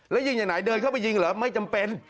แล้วยิงอย่างไหนเดินเข้าไปยิงเหรอไม่จำเป็น